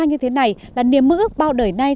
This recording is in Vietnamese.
như thế này là niềm mơ ước bao đời nay